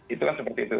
itu kan seperti itu